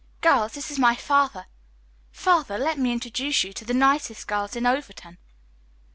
Girls, this is my father. Father, let me introduce you to the nicest girls in Overton."